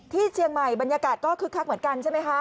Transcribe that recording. ที่เชียงใหม่บรรยากาศก็คึกคักเหมือนกันใช่ไหมคะ